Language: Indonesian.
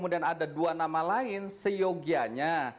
dua nama lain seyogianya